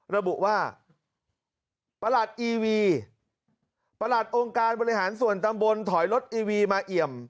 ระบุว่าประหลัดอีวีประหลัดองค์การบริหารส่วนตำบลถอยรถอีวีมาเอี่ยม